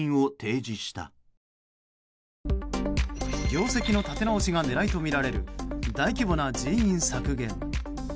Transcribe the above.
業績の立て直しが狙いとみられる大規模な人員削減。